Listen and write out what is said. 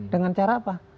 dengan cara apa